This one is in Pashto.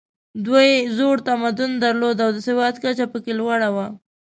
دوی زوړ تمدن درلود او د سواد کچه پکې لوړه وه.